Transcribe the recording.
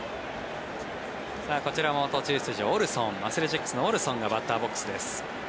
こちらも途中出場アスレチックスのオルソンがバッターボックスです。